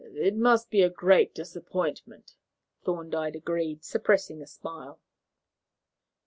"It must be a great disappointment," Thorndyke agreed, suppressing a smile.